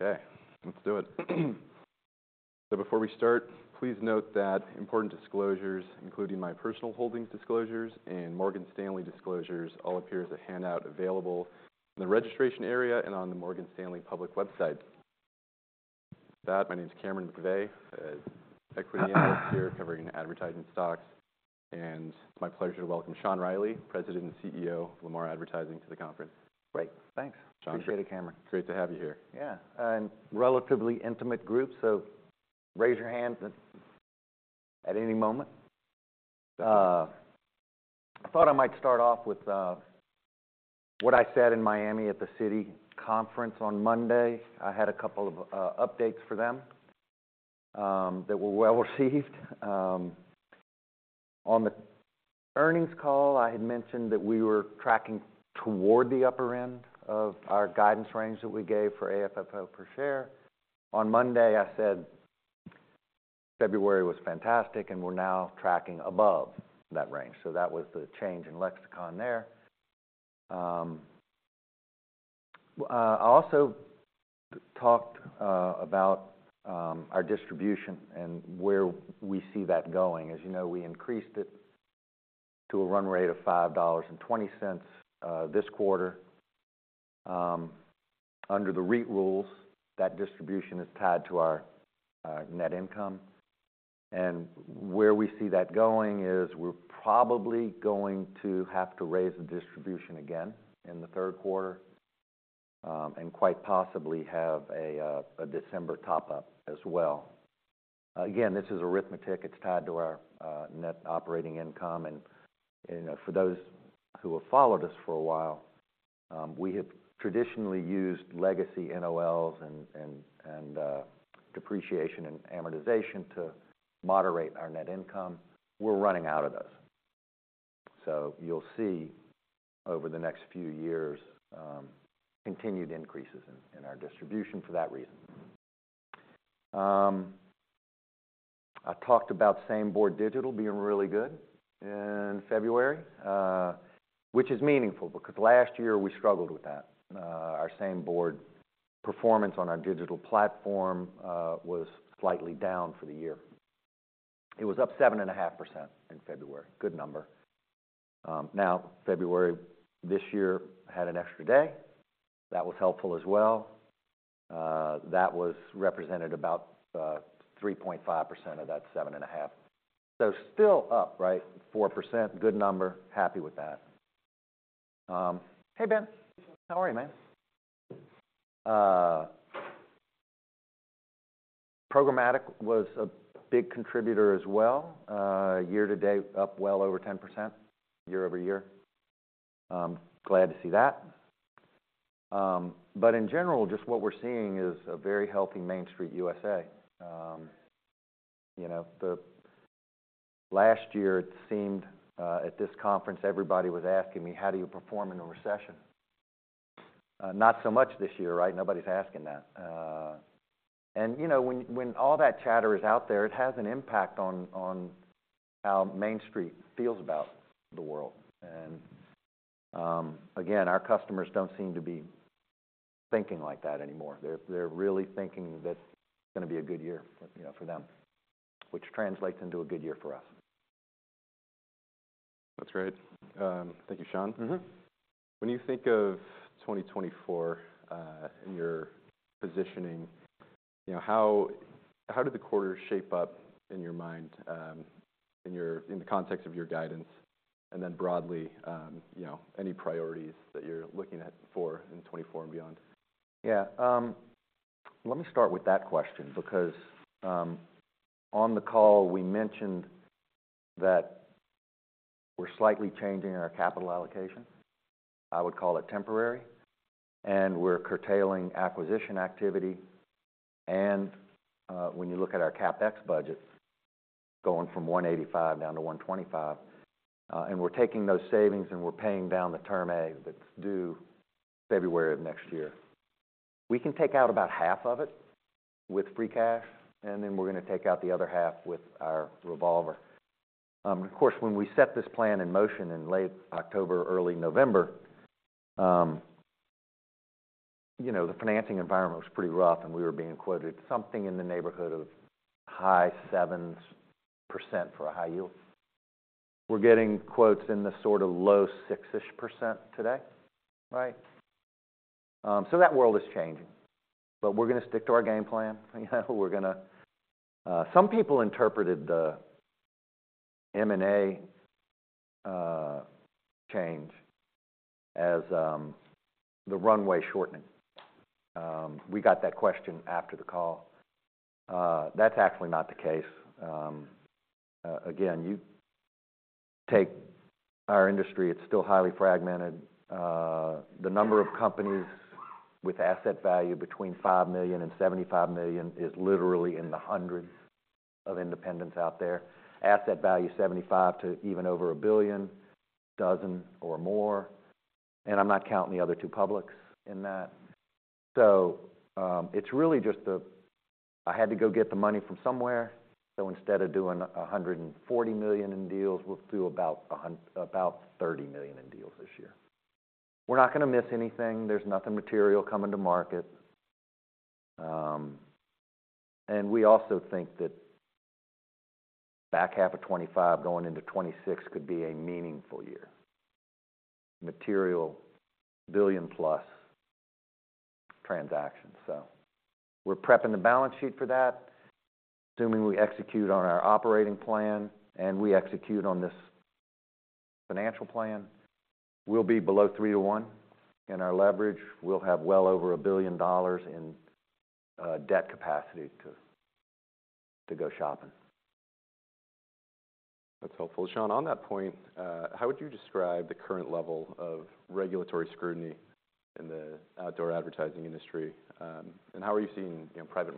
Okay, let's do it. So before we start, please note that important disclosures, including my personal holdings disclosures and Morgan Stanley disclosures, all appear as a handout available in the registration area and on the Morgan Stanley public website. With that, my name's Cameron McVeigh, Equity Analyst here covering advertising stocks, and it's my pleasure to welcome Sean Reilly, President and CEO of Lamar Advertising to the conference. Great, thanks. Sean. Appreciate it, Cameron. Great to have you here. Yeah, relatively intimate group, so raise your hand at any moment. I thought I might start off with what I said in Miami at the city conference on Monday. I had a couple of updates for them that were well received. On the earnings call, I had mentioned that we were tracking toward the upper end of our guidance range that we gave for AFFO per share. On Monday, I said February was fantastic and we're now tracking above that range. So that was the change in lexicon there. I also talked about our distribution and where we see that going. As you know, we increased it to a run rate of $5.20 this quarter. Under the REIT rules, that distribution is tied to our net income. Where we see that going is we're probably going to have to raise the distribution again in the third quarter, and quite possibly have a December top-up as well. Again, this is arithmetic. It's tied to our Net Operating Income. And, you know, for those who have followed us for a while, we have traditionally used legacy NOLs and depreciation and amortization to moderate our net income. We're running out of those. So you'll see over the next few years, continued increases in our distribution for that reason. I talked about Same Board Digital being really good in February, which is meaningful because last year we struggled with that. Our Same Board performance on our digital platform was slightly down for the year. It was up 7.5% in February. Good number. Now, February this year had an extra day. That was helpful as well. That represented about 3.5% of that 7.5. So still up, right? 4%. Good number. Happy with that. Hey, Ben. How are you, man? Programmatic was a big contributor as well. Year to date, up well over 10% year-over-year. Glad to see that. But in general, just what we're seeing is a very healthy Main Street USA. You know, last year it seemed, at this conference everybody was asking me, how do you perform in a recession? Not so much this year, right? Nobody's asking that. And, you know, when all that chatter is out there, it has an impact on how Main Street feels about the world. And, again, our customers don't seem to be thinking like that anymore. They're really thinking that it's going to be a good year for, you know, for them, which translates into a good year for us. That's great. Thank you, Sean. Mm-hmm. When you think of 2024, in your positioning, you know, how, how did the quarter shape up in your mind, in the context of your guidance and then broadly, you know, any priorities that you're looking at for in 2024 and beyond? Yeah. Let me start with that question because, on the call we mentioned that we're slightly changing our capital allocation. I would call it temporary. We're curtailing acquisition activity. When you look at our CapEx budget going from $185-$125, and we're taking those savings and we're paying down the Term A that's due February of next year, we can take out about half of it with free cash and then we're going to take out the other half with our revolver. Of course, when we set this plan in motion in late October, early November, you know, the financing environment was pretty rough and we were being quoted something in the neighborhood of high 7% for a high yield. We're getting quotes in the sort of low 6-ish% today, right? That world is changing. But we're going to stick to our game plan. You know, we're going to, some people interpreted the M&A change as the runway shortening. We got that question after the call. That's actually not the case. Again, you take our industry, it's still highly fragmented. The number of companies with asset value between $5 million and $75 million is literally in the hundreds of independents out there. Asset value $75 million to even over $1 billion, dozen or more. And I'm not counting the other two publics in that. So, it's really just that I had to go get the money from somewhere. So instead of doing $140 million in deals, we'll do about $130 million in deals this year. We're not going to miss anything. There's nothing material coming to market. We also think that back half of 2025 going into 2026 could be a meaningful year. Material billion-plus transactions, so. We're prepping the balance sheet for that, assuming we execute on our operating plan and we execute on this financial plan. We'll be below 3 to 1 in our leverage. We'll have well over $1 billion in debt capacity to go shopping. That's helpful, Sean. On that point, how would you describe the current level of regulatory scrutiny in the outdoor advertising industry? And how are you seeing, you know, private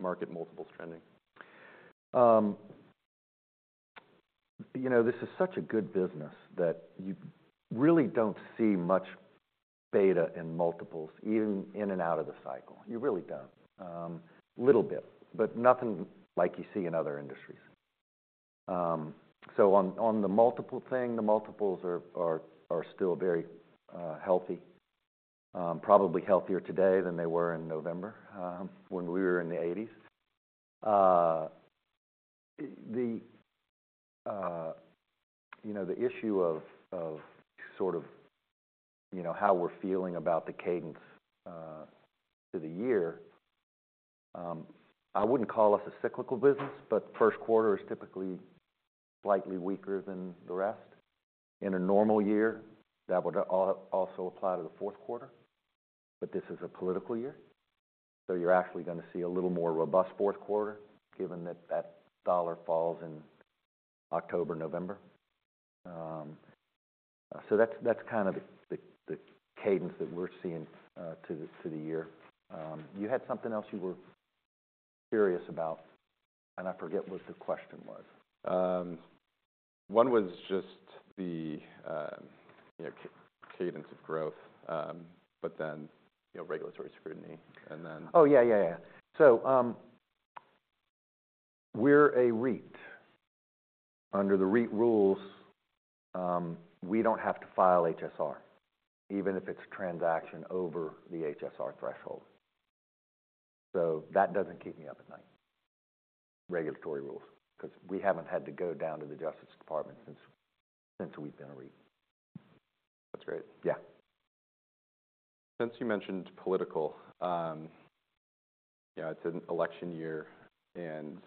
market multiples trending? You know, this is such a good business that you really don't see much beta in multiples even in and out of the cycle. You really don't. A little bit, but nothing like you see in other industries. So on the multiple thing, the multiples are still very healthy. Probably healthier today than they were in November, when we were in the eighties. You know, the issue of sort of you know how we're feeling about the cadence to the year, I wouldn't call us a cyclical business, but first quarter is typically slightly weaker than the rest. In a normal year, that would also apply to the fourth quarter. But this is a political year. So you're actually going to see a little more robust fourth quarter given that that dollar falls in October, November. So that's kind of the cadence that we're seeing to the year. You had something else you were curious about and I forget what the question was. One was just the, you know, cadence of growth, but then, you know, regulatory scrutiny and then. Oh, yeah, yeah, yeah. So, we're a REIT. Under the REIT rules, we don't have to file HSR even if it's a transaction over the HSR threshold. So that doesn't keep me up at night. Regulatory rules because we haven't had to go down to the Justice Department since we've been a REIT. That's great. Yeah. Since you mentioned politics, you know, it's an election year and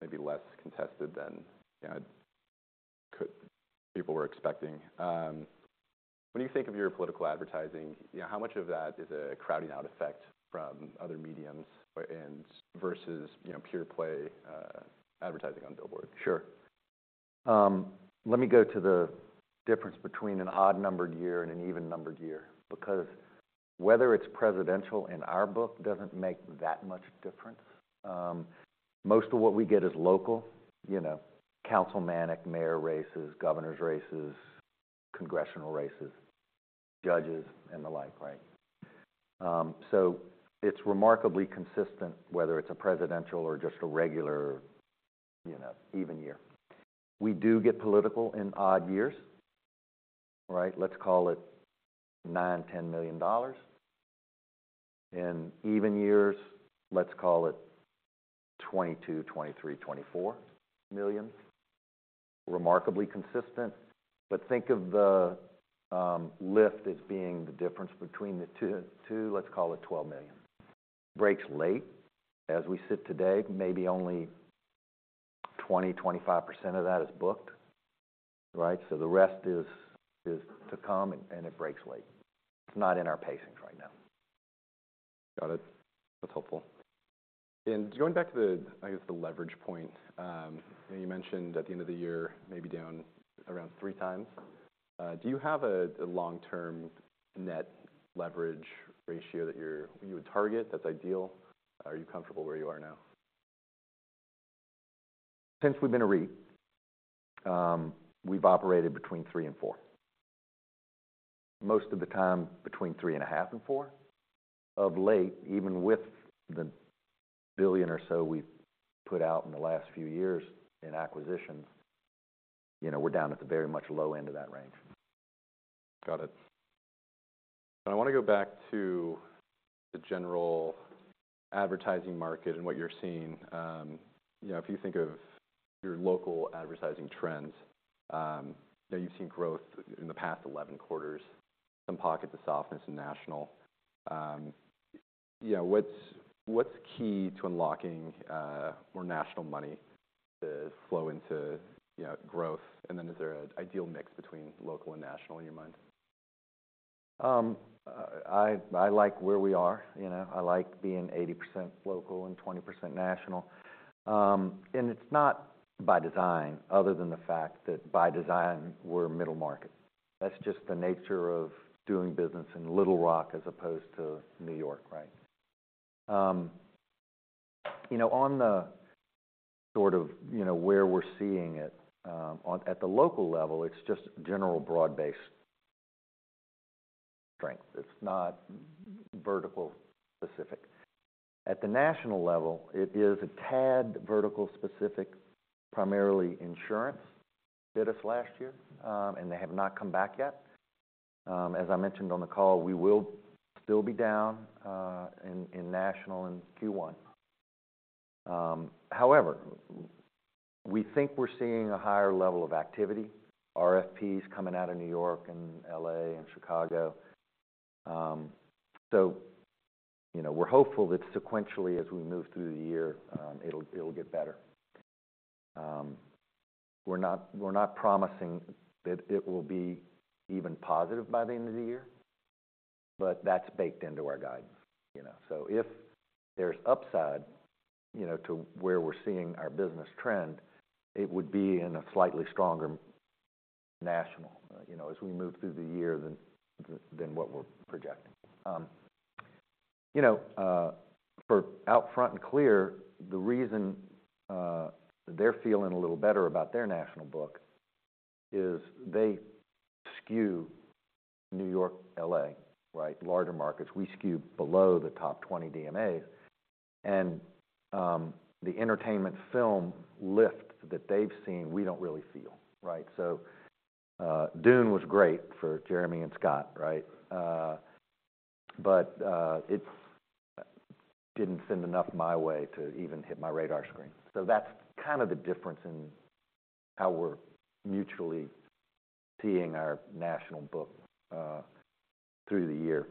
maybe less contested than, you know, people were expecting. When you think of your political advertising, you know, how much of that is a crowding out effect from other mediums and versus, you know, pure play advertising on billboards? Sure. Let me go to the difference between an odd-numbered year and an even-numbered year because whether it's presidential in our book doesn't make that much difference. Most of what we get is local, you know, councilmanic, mayor races, governor's races, congressional races, judges, and the like, right? So it's remarkably consistent whether it's a presidential or just a regular, you know, even year. We do get political in odd years, right? Let's call it $9-$10 million. In even years, let's call it $22, $23, $24 million. Remarkably consistent. But think of the lift as being the difference between the two, two, let's call it $12 million. Breaks late. As we sit today, maybe only 20%-25% of that is booked, right? So the rest is to come and it breaks late. It's not in our pacings right now. Got it. That's helpful. Going back to the, I guess, the leverage point, you know, you mentioned at the end of the year maybe down around three times. Do you have a, a long-term net leverage ratio that you're you would target? That's ideal. Are you comfortable where you are now? Since we've been a REIT, we've operated between three and four. Most of the time between three and a half and four. Of late, even with the $1 billion or so we've put out in the last few years in acquisitions, you know, we're down at the very much low end of that range. Got it. I want to go back to the general advertising market and what you're seeing. You know, if you think of your local advertising trends, you know, you've seen growth in the past 11 quarters. Some pockets of softness in national. You know, what's key to unlocking more national money to flow into, you know, growth? Then is there an ideal mix between local and national in your mind? I like where we are, you know. I like being 80% local and 20% national. It's not by design other than the fact that by design we're middle market. That's just the nature of doing business in Little Rock as opposed to New York, right? You know, you know, where we're seeing it, at the local level, it's just general broad-based strength. It's not vertical-specific. At the national level, it is a tad vertical-specific, primarily insurance, but this last year, and they have not come back yet. As I mentioned on the call, we will still be down in national and Q1. However, we think we're seeing a higher level of activity. RFPs coming out of New York and L.A. and Chicago. So, you know, we're hopeful that sequentially as we move through the year, it'll get better. We're not promising that it will be even positive by the end of the year, but that's baked into our guidance, you know. So if there's upside, you know, to where we're seeing our business trend, it would be in a slightly stronger national, you know, as we move through the year than what we're projecting. You know, for Outfront and Clear, the reason they're feeling a little better about their national book is they skew New York, L.A., right, larger markets. We skew below the top 20 DMAs. The entertainment film lift that they've seen, we don't really feel, right? So, Dune was great for Jeremy and Scott, right? But it didn't send enough my way to even hit my radar screen. So that's kind of the difference in how we're mutually seeing our national book through the year.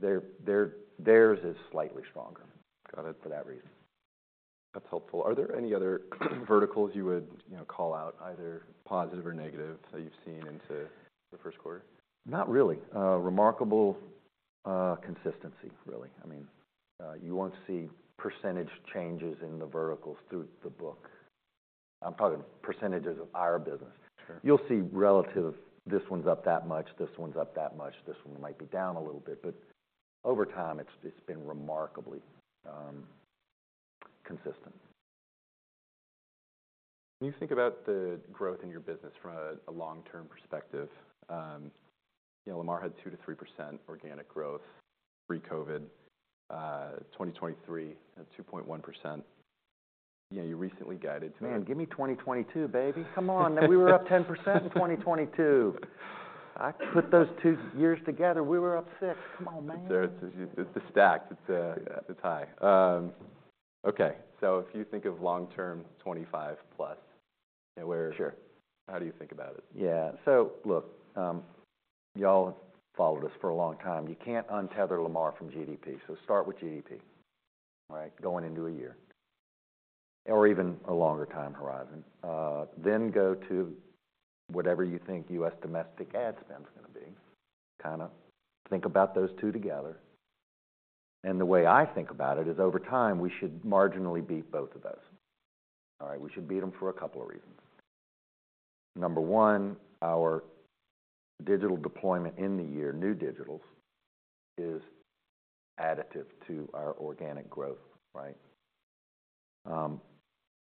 Theirs is slightly stronger. Got it. For that reason. That's helpful. Are there any other verticals you would, you know, call out, either positive or negative, that you've seen into the first quarter? Not really. Remarkable consistency, really. I mean, you won't see percentage changes in the verticals through the book. I'm talking percentages of our business. Sure. You'll see relatively, this one's up that much, this one's up that much, this one might be down a little bit. But over time, it's been remarkably consistent. When you think about the growth in your business from a long-term perspective, you know, Lamar had 2%-3% organic growth pre-COVID. 2023, you had 2.1%. You know, you recently guided to. Man, give me 2022, baby. Come on. We were up 10% in 2022. I put those two years together. We were up 6. Come on, man. It's there. It's stacked. It's, it's high. Okay. So if you think of long-term 25 plus, you know, where. Sure. How do you think about it? Yeah. So look, y'all have followed us for a long time. You can't untether Lamar from GDP. So start with GDP, right, going into a year. Or even a longer time horizon. Then go to whatever you think U.S. domestic ad spend's going to be, kind of. Think about those two together. And the way I think about it is over time we should marginally beat both of those, all right? We should beat them for a couple of reasons. Number one, our digital deployment in the year, new digitals, is additive to our organic growth, right?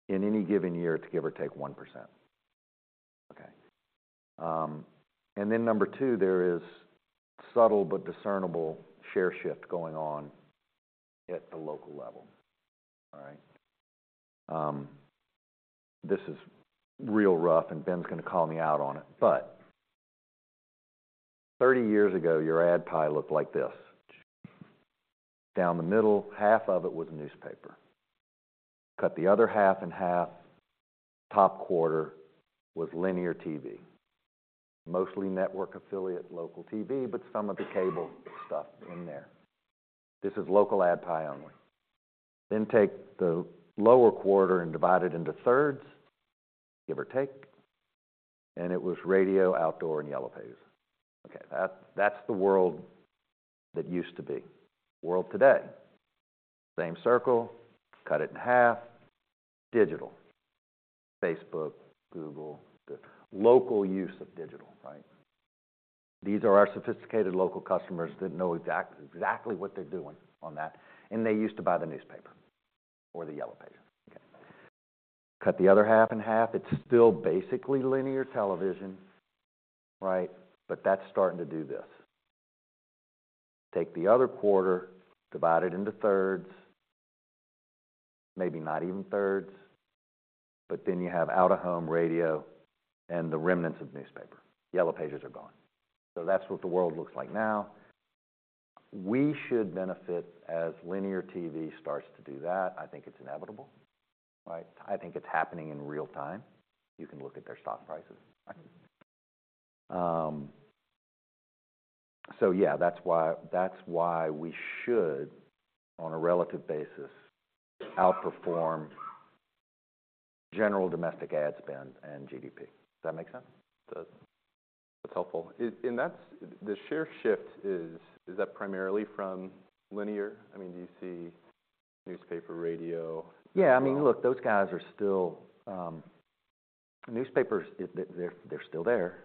In any given year, it's give or take 1%, okay? And then number two, there is subtle but discernible share shift going on at the local level, all right? This is real rough and Ben's going to call me out on it, but 30 years ago your ad pie looked like this. Down the middle, half of it was newspaper. Cut the other half in half. Top quarter was linear TV. Mostly network affiliate local TV, but some of the cable stuff in there. This is local ad pie only. Then take the lower quarter and divide it into thirds, give or take, and it was radio, outdoor, and yellow pages. Okay. That's, that's the world that used to be. World today. Same circle. Cut it in half. Digital. Facebook, Google, local use of digital, right? These are our sophisticated local customers that know exact, exactly what they're doing on that. And they used to buy the newspaper or the yellow pages, okay? Cut the other half in half. It's still basically linear television, right? But that's starting to do this. Take the other quarter, divide it into thirds, maybe not even thirds, but then you have out-of-home, radio, and the remnants of newspaper. Yellow Pages are gone. So that's what the world looks like now. We should benefit as linear TV starts to do that. I think it's inevitable, right? I think it's happening in real time. You can look at their stock prices, right? So yeah, that's why, that's why we should, on a relative basis, outperform general domestic ad spend and GDP. Does that make sense? It does. That's helpful. And that's, the share shift is, is that primarily from linear? I mean, do you see newspaper, radio? Yeah. I mean, look, those guys are still, newspapers, they're still there.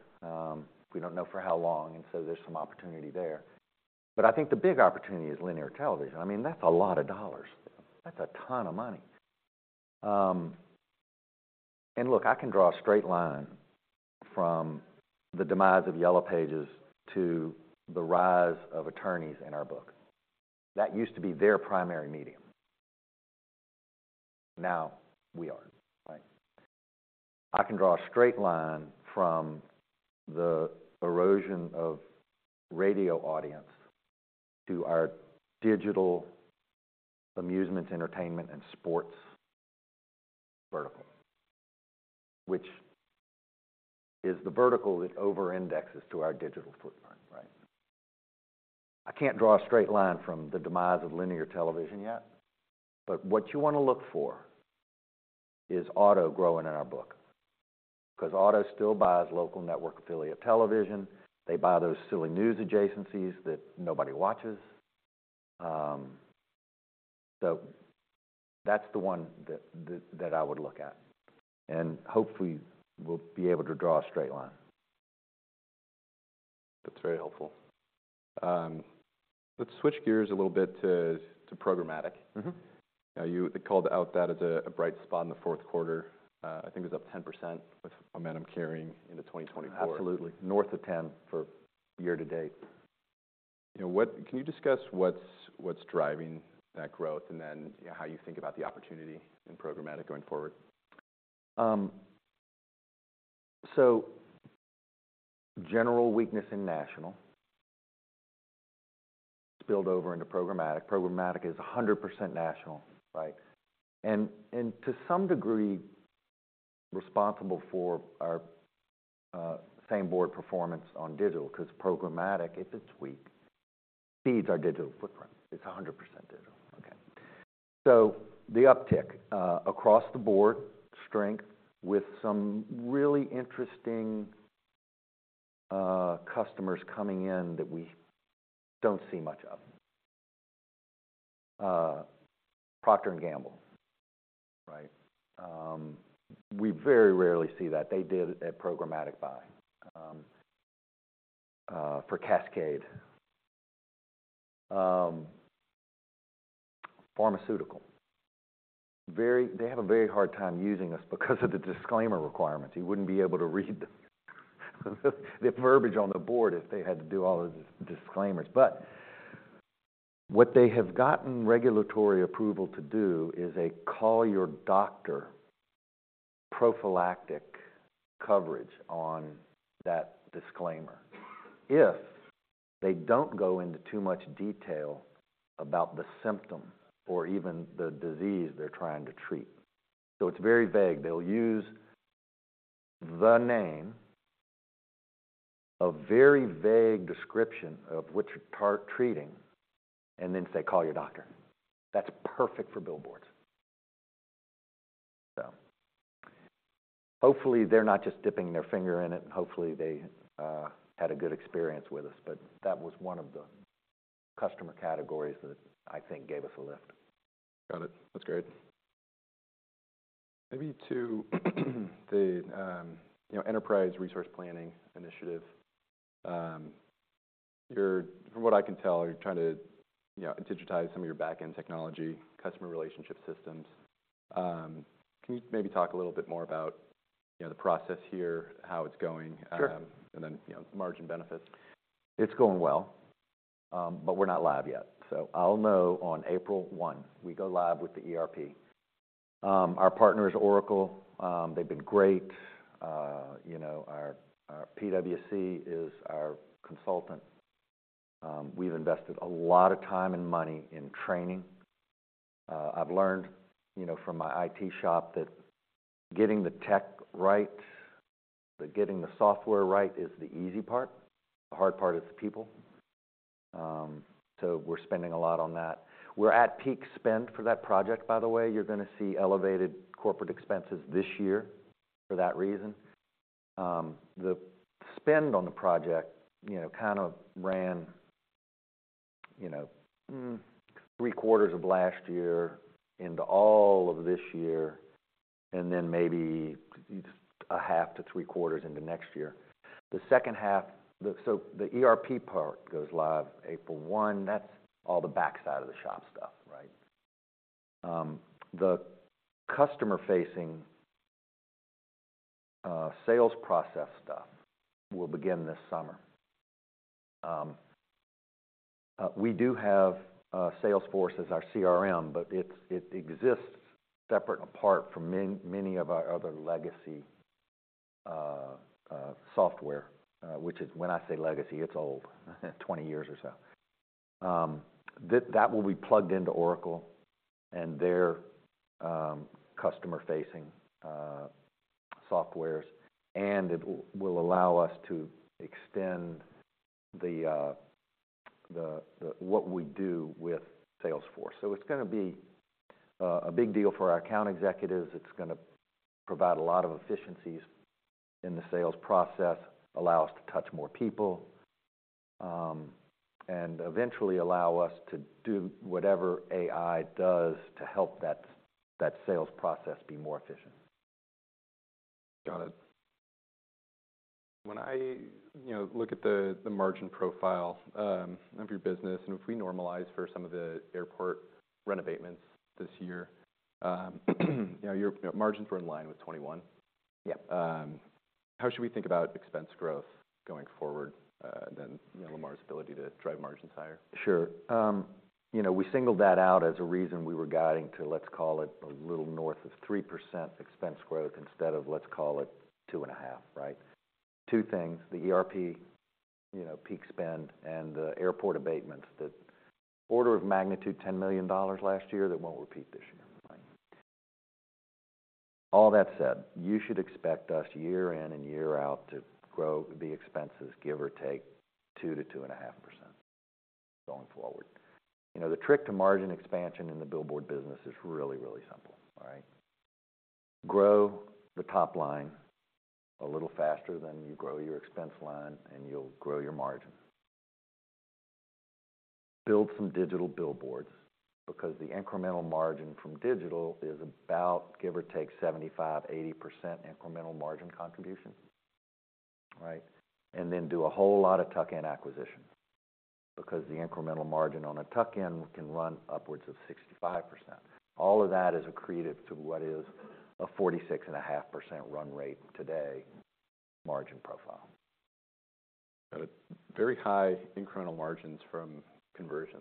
We don't know for how long and so there's some opportunity there. But I think the big opportunity is linear television. I mean, that's a lot of dollars. That's a ton of money. And look, I can draw a straight line from the demise of yellow pages to the rise of attorneys in our book. That used to be their primary medium. Now we are, right? I can draw a straight line from the erosion of radio audience to our digital amusement, entertainment, and sports vertical, which is the vertical that over-indexes to our digital footprint, right? I can't draw a straight line from the demise of linear television yet, but what you want to look for is auto growing in our book because auto still buys local network affiliate television. They buy those silly news adjacencies that nobody watches. So that's the one that I would look at and hopefully we'll be able to draw a straight line. That's very helpful. Let's switch gears a little bit to programmatic. Mm-hmm. You called out that as a bright spot in the fourth quarter. I think it was up 10% with momentum carrying into 2024. Absolutely. North of 10 for year to date. You know, what, can you discuss what's driving that growth and then, you know, how you think about the opportunity in programmatic going forward? So general weakness in national spilled over into programmatic. Programmatic is 100% national, right? And, and to some degree responsible for our Same Board performance on digital because programmatic, if it's weak, feeds our digital footprint. It's 100% digital, okay? So the uptick, across the board, strength with some really interesting customers coming in that we don't see much of. Procter & Gamble, right? We very rarely see that. They did a programmatic buy for Cascade. Pharmaceutical. Very, they have a very hard time using us because of the disclaimer requirements. You wouldn't be able to read the verbiage on the board if they had to do all those disclaimers. But what they have gotten regulatory approval to do is a call-your-doctor prophylactic coverage on that disclaimer if they don't go into too much detail about the symptom or even the disease they're trying to treat. So it's very vague. They'll use the name, a very vague description of what you're treating, and then say, "Call your doctor." That's perfect for billboards. So hopefully they're not just dipping their finger in it and hopefully they had a good experience with us. But that was one of the customer categories that I think gave us a lift. Got it. That's great. Maybe to the, you know, Enterprise Resource Planning initiative. You're, from what I can tell, you're trying to, you know, digitize some of your backend technology, customer relationship systems. Can you maybe talk a little bit more about, you know, the process here, how it's going? Sure. Then, you know, margin benefits. It's going well, but we're not live yet. So I'll know on April 1. We go live with the ERP. Our partner is Oracle. They've been great. You know, our, our PwC is our consultant. We've invested a lot of time and money in training. I've learned, you know, from my IT shop that getting the tech right, getting the software right is the easy part. The hard part is the people. So we're spending a lot on that. We're at peak spend for that project, by the way. You're going to see elevated corporate expenses this year for that reason. The spend on the project, you know, kind of ran, you know, three quarters of last year into all of this year and then maybe a half to three quarters into next year. The second half, so the ERP part goes live April 1. That's all the backside of the shop stuff, right? The customer-facing, sales process stuff will begin this summer. We do have Salesforce as our CRM, but it's, it exists separate, apart from many, many of our other legacy software, which is, when I say legacy, it's old, 20 years or so. That, that will be plugged into Oracle and their customer-facing softwares. And it will allow us to extend the what we do with Salesforce. So it's going to be a big deal for our account executives. It's going to provide a lot of efficiencies in the sales process, allow us to touch more people, and eventually allow us to do whatever AI does to help that sales process be more efficient. Got it. When I, you know, look at the margin profile of your business and if we normalize for some of the airport renovations this year, you know, your margins were in line with 2021. Yep. How should we think about expense growth going forward, you know, Lamar's ability to drive margins higher? Sure. You know, we singled that out as a reason we were guiding to, let's call it, a little north of 3% expense growth instead of, let's call it, 2.5, right? Two things. The ERP, you know, peak spend, and the airport abatements that, order of magnitude $10 million last year that won't repeat this year, right? All that said, you should expect us year in and year out to grow the expenses, give or take 2%-2.5% going forward. You know, the trick to margin expansion in the billboard business is really, really simple, all right? Grow the top line a little faster than you grow your expense line and you'll grow your margin. Build some digital billboards because the incremental margin from digital is about, give or take, 75%-80% incremental margin contribution, right? And then do a whole lot of tuck-in acquisition because the incremental margin on a tuck-in can run upwards of 65%. All of that is accretive to what is a 46.5% run-rate today margin profile. Got it. Very high incremental margins from conversion.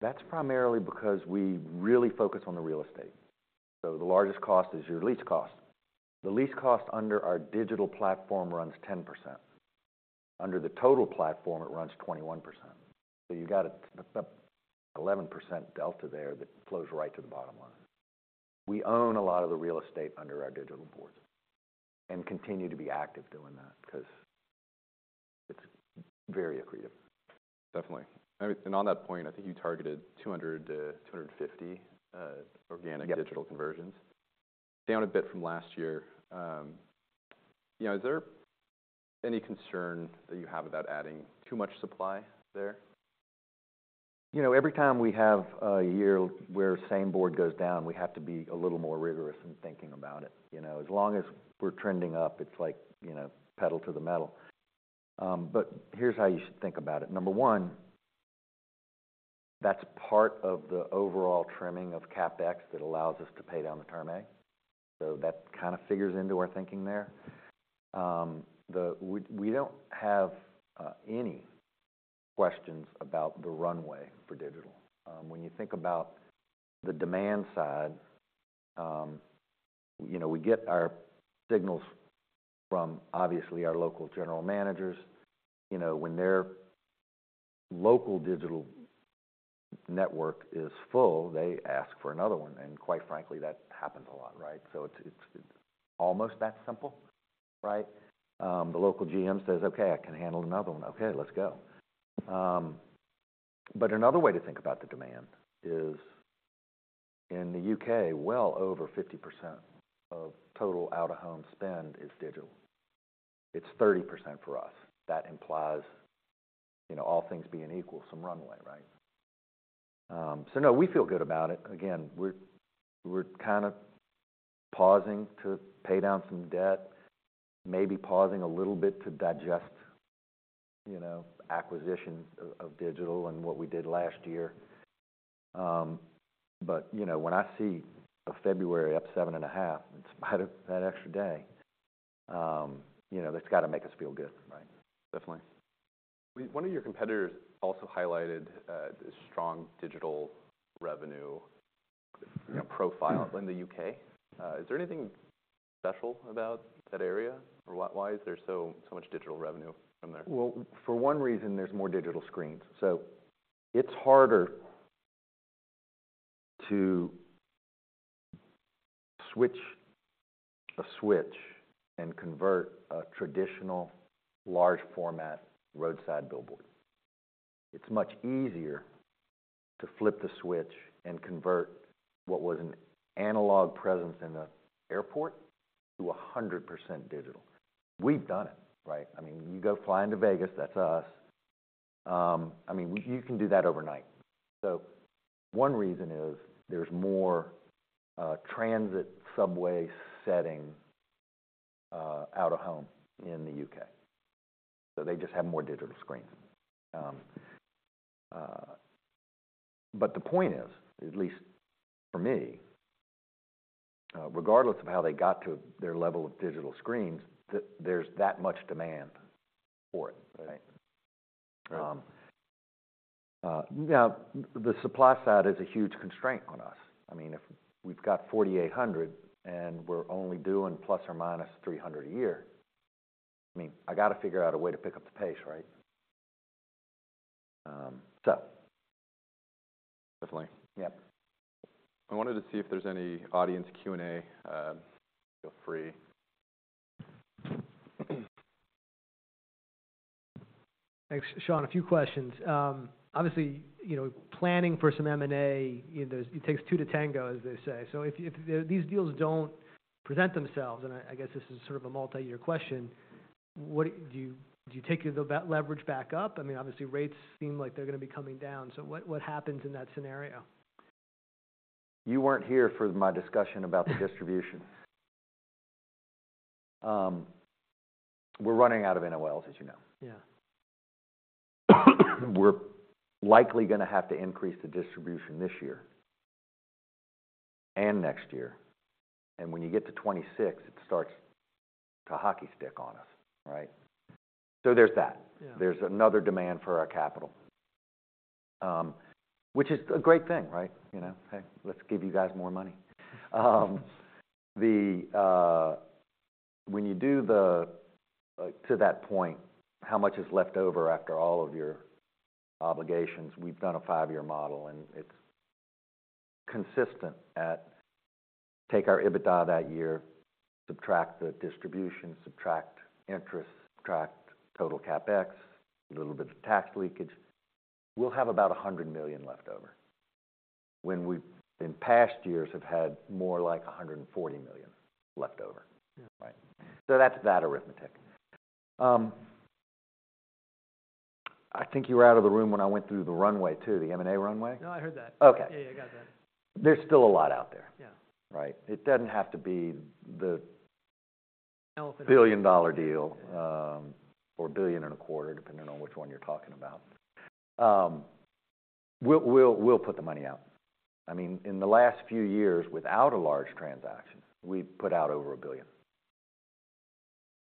That's primarily because we really focus on the real estate. So the largest cost is your lease cost. The lease cost under our digital platform runs 10%. Under the total platform it runs 21%. So you've got an 11% delta there that flows right to the bottom line. We own a lot of the real estate under our digital boards and continue to be active doing that because it's very accretive. Definitely. On that point, I think you targeted 200-250 organic digital conversions. Down a bit from last year, you know, is there any concern that you have about adding too much supply there? You know, every time we have a year where Same Board goes down, we have to be a little more rigorous in thinking about it, you know? As long as we're trending up, it's like, you know, pedal to the metal. But here's how you should think about it. Number one, that's part of the overall trimming of CapEx that allows us to pay down the Term A. So that kind of figures into our thinking there. We don't have any questions about the runway for digital. When you think about the demand side, you know, we get our signals from, obviously, our local general managers. You know, when their local digital network is full, they ask for another one. And quite frankly, that happens a lot, right? So it's, it's, it's almost that simple, right? The local GM says, "Okay. I can handle another one. Okay. Let's go." But another way to think about the demand is in the U.K., well over 50% of total out-of-home spend is digital. It's 30% for us. That implies, you know, all things being equal, some runway, right? So no, we feel good about it. Again, we're, we're kind of pausing to pay down some debt, maybe pausing a little bit to digest, you know, acquisition of digital and what we did last year. But, you know, when I see a February up 7.5 in spite of that extra day, you know, that's got to make us feel good, right? Definitely. One of your competitors also highlighted this strong digital revenue, you know, profile in the U.K.. Is there anything special about that area or why is there so, so much digital revenue from there? Well, for one reason, there's more digital screens. So it's harder to switch a switch and convert a traditional large format roadside billboard. It's much easier to flip the switch and convert what was an analog presence in the airport to 100% digital. We've done it, right? I mean, you go flying to Vegas. That's us. I mean, you can do that overnight. So one reason is there's more, transit subway setting, out-of-home in the U.K.. So they just have more digital screens. But the point is, at least for me, regardless of how they got to their level of digital screens, there's that much demand for it, right? Now, the supply side is a huge constraint on us. I mean, if we've got 4,800 and we're only doing ±300 a year, I mean, I got to figure out a way to pick up the pace, right? so. Definitely. Yep. I wanted to see if there's any audience Q&A. Feel free. Thanks, Sean. A few questions. Obviously, you know, planning for some M&A, you know, it takes two to tango, as they say. So if, if these deals don't present themselves, and I guess this is sort of a multi-year question, what do you, do you take the leverage back up? I mean, obviously, rates seem like they're going to be coming down. So what, what happens in that scenario? You weren't here for my discussion about the distribution. We're running out of NOLs, as you know. Yeah. We're likely going to have to increase the distribution this year and next year. And when you get to 2026, it starts to hockey stick on us, right? So there's that. There's another demand for our capital, which is a great thing, right? You know, hey, let's give you guys more money. To that point, how much is left over after all of your obligations? We've done a five-year model and it's consistent at take our EBITDA that year, subtract the distribution, subtract interest, subtract total CapEx, a little bit of tax leakage. We'll have about $100 million left over when we in past years have had more like $140 million left over, right? So that's that arithmetic. I think you were out of the room when I went through the runway too, the M&A runway. No, I heard that. Okay. Yeah, yeah, I got that. There's still a lot out there. Yeah. Right? It doesn't have to be the $1 billion deal, or $1.25 billion, depending on which one you're talking about. We'll put the money out. I mean, in the last few years without a large transaction, we've put out over $1 billion.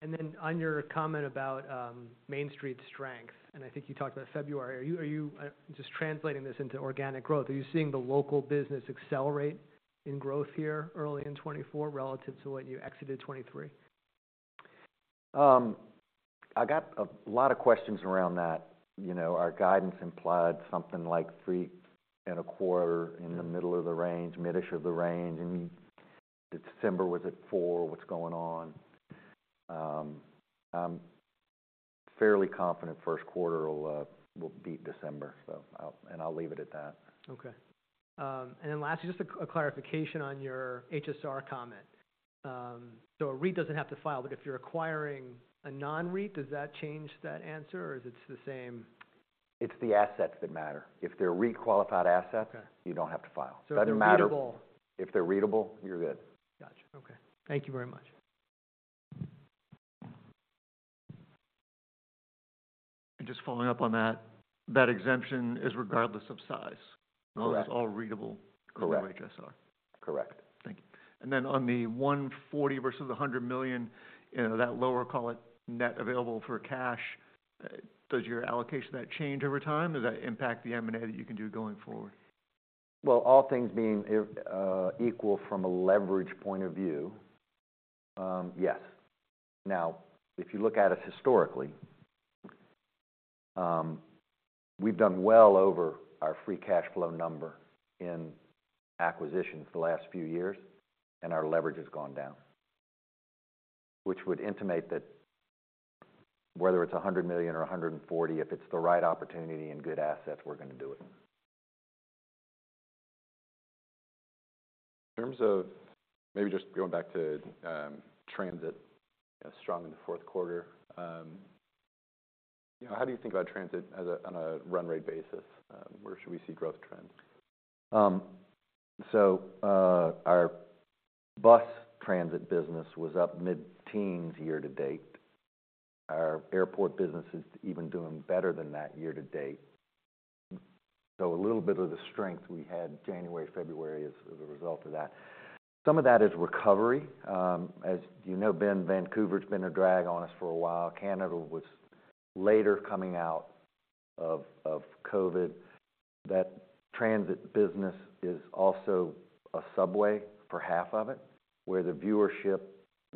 And then on your comment about Main Street's strength, and I think you talked about February, are you, are you just translating this into organic growth? Are you seeing the local business accelerate in growth here early in 2024 relative to when you exited 2023? I got a lot of questions around that. You know, our guidance implied something like 3.25 in the middle of the range, mid-ish of the range. And December, was it 4? What's going on? I'm fairly confident first quarter will beat December, so I'll leave it at that. Okay. Then lastly, just a clarification on your HSR comment. A REIT doesn't have to file, but if you're acquiring a non-REIT, does that change that answer or is it the same? It's the assets that matter. If they're REIT-qualified assets, you don't have to file. They're REIT-able. If they're REIT-able, you're good. Gotcha. Okay. Thank you very much. Just following up on that, that exemption is regardless of size. Correct. All is REIT-able through HSR. Correct. Correct. Thank you. And then on the $140 million versus the $100 million, you know, that lower, call it net available for cash, does your allocation to that change over time? Does that impact the M&A that you can do going forward? Well, all things being equal from a leverage point of view, yes. Now, if you look at us historically, we've done well over our free cash flow number in acquisitions the last few years and our leverage has gone down, which would intimate that whether it's $100 million or $140 million, if it's the right opportunity and good assets, we're going to do it. In terms of maybe just going back to transit, you know, strong in the fourth quarter, you know, how do you think about transit as on a run rate basis? Where should we see growth trends? So, our bus transit business was up mid-teens year to date. Our airport business is even doing better than that year to date. So a little bit of the strength we had January, February as a result of that. Some of that is recovery. As you know, Ben, Vancouver's been a drag on us for a while. Canada was later coming out of COVID. That transit business is also a subway for half of it where the viewership,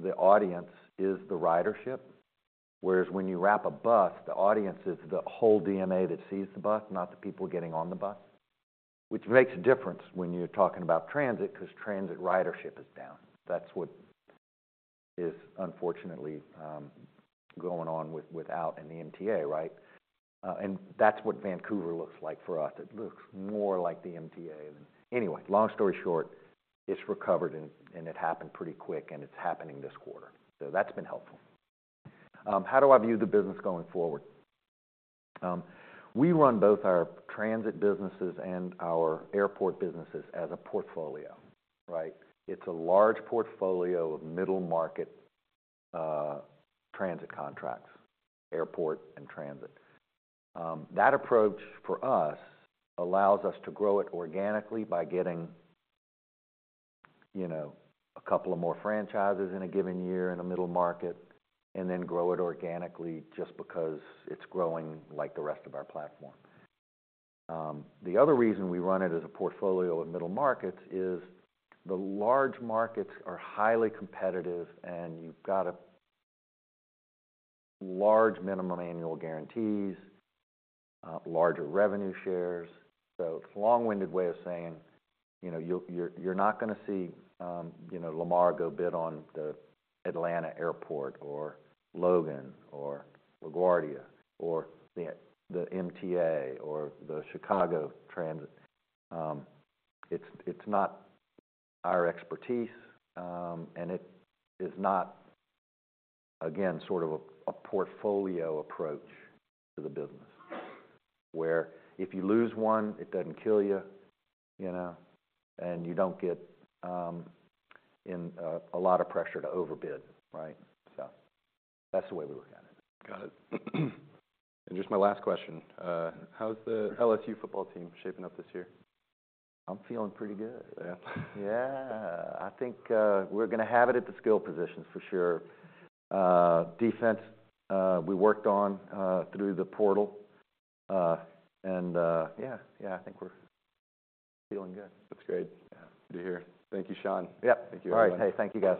the audience is the ridership, whereas when you wrap a bus, the audience is the whole DMA that sees the bus, not the people getting on the bus, which makes a difference when you're talking about transit because transit ridership is down. That's what's unfortunately going on without an MTA, right? And that's what Vancouver looks like for us. It looks more like the MTA than. Anyway, long story short, it's recovered and, and it happened pretty quick and it's happening this quarter. So that's been helpful. How do I view the business going forward? We run both our transit businesses and our airport businesses as a portfolio, right? It's a large portfolio of middle market, transit contracts, airport and transit. That approach for us allows us to grow it organically by getting, you know, a couple of more franchises in a given year in a middle market and then grow it organically just because it's growing like the rest of our platform. The other reason we run it as a portfolio at middle markets is the large markets are highly competitive and you've got a large minimum annual guarantees, larger revenue shares. So it's a long-winded way of saying, you know, you're not going to see, you know, Lamar go bid on the Atlanta airport or Logan or LaGuardia or the MTA or the Chicago transit. It's not our expertise, and it is not, again, sort of a portfolio approach to the business where if you lose one, it doesn't kill you, you know, and you don't get in a lot of pressure to overbid, right? So that's the way we look at it. Got it. And just my last question, how's the LSU football team shaping up this year? I'm feeling pretty good. Yeah? Yeah. I think we're going to have it at the skill positions for sure. Defense, we worked on through the portal. And yeah, yeah, I think we're feeling good. That's great. Yeah. Good to hear. Thank you, Sean. Yep. Thank you very much. All right. Hey, thank you guys.